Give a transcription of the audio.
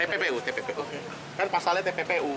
tppu tppu kan pasalnya tppu